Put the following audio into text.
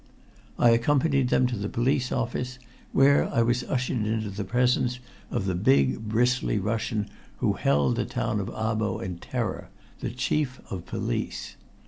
I accompanied them to the police office, where I was ushered into the presence of the big, bristly Russian who held the town of Abo in terror, the Chief of Police.